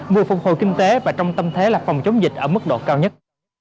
vừa phục hồi kinh tế và trong tâm thế là phòng chống dịch ở mức độ cao nhất